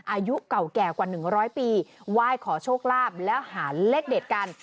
อายุเก่าแก่กว่าหนึ่งร้อยปีว่ายขอโชคลาบและหาเลขเดศกัน